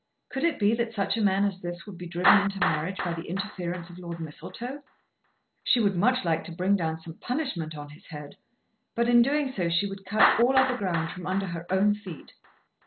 Could it be that such a man as this would be driven into marriage by the interference of Lord Mistletoe! She would much like to bring down some punishment on his head; but in doing so she would cut all other ground from under her own feet.